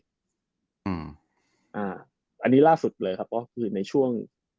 อันนี้ล่าสุดเลยครับก็คือในช่วง